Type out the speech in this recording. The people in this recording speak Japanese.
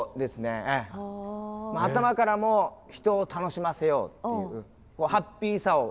頭からも人を楽しませようっていうハッピーさを醸し出したい。